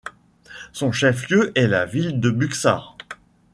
Son chef-lieu est la ville de Buxar.